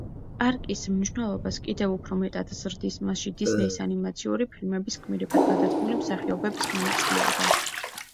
პარკის მნიშვნელობას კიდევ უფრო მეტად ზრდის მასში დისნეის ანიმაციური ფილმების გმირებად გადაცმული მსახიობების მონაწილეობა.